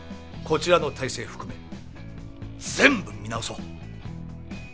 こちらの体制含め全部見直そう。